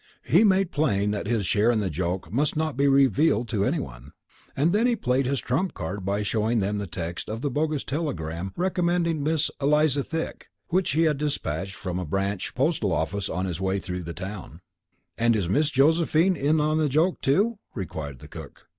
He made plain that his share in the joke must not be revealed to any one. And then he played his trump card by showing them the text of the bogus telegram recommending Miss Eliza Thick, which he had dispatched from a branch postal office on his way through the town. "And is Miss Josephine in the joke, too?" inquired the cook.